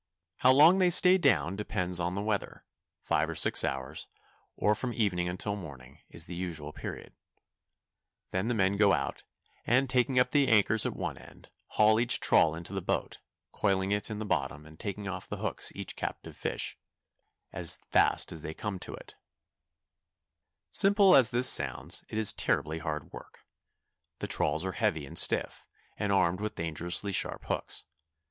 How long they stay down depends on the weather—five or six hours, or from evening until morning, is the usual period. Then the men go out, and taking up the anchors at one end, haul each trawl into the boat, coiling it in the bottom and taking off the hooks each captive fish as fast as they come to it. [Illustration: A FISHING SCHOONER "HOVE TO" IN A GALE ON THE BANKS.] Simple as this sounds, it is terribly hard work. The trawls are heavy and stiff, and armed with dangerously sharp hooks.